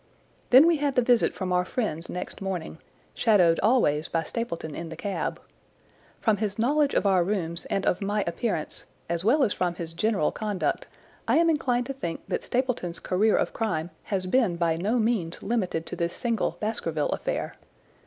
"Then we had the visit from our friends next morning, shadowed always by Stapleton in the cab. From his knowledge of our rooms and of my appearance, as well as from his general conduct, I am inclined to think that Stapleton's career of crime has been by no means limited to this single Baskerville affair.